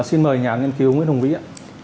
xin mời nhà nghiên cứu nguyễn hùng vĩ ạ